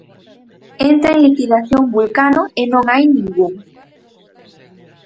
Entra en liquidación Vulcano e non hai ningún.